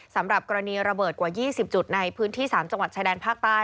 สำหรับกรณีระเบิดกว่า๒๐จุดในพื้นที่๓จังหวัดชายแดนภาคใต้